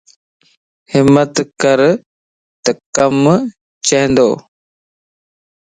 ھمت ڪرتَ ڪم چھندو